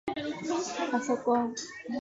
パソコン